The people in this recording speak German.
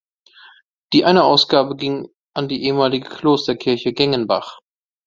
Die eine Ausgabe ging an die ehemalige Klosterkirche Gengenbach.